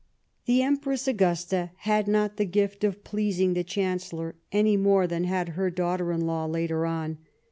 The Empress Augusta had not the gift of pleasing the Chancellor, any more than had her daughter in law later on.